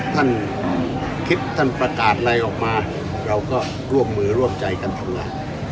ท่านคิดท่านประกาศอะไรออกมาเราก็ร่วมมือร่วมใจกันทำงาน